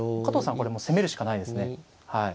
加藤さんこれもう攻めるしかないですね。